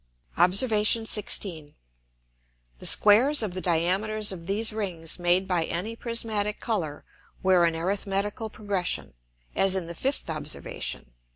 [Illustration: FIG. 4.] Obs. 16. The Squares of the Diameters of these Rings made by any prismatick Colour were in arithmetical Progression, as in the fifth Observation.